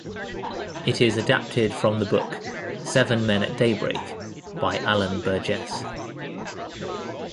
It is adapted from the book "Seven Men at Daybreak" by Alan Burgess.